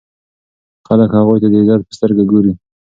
خلک هغوی ته د عزت په سترګه ګوري.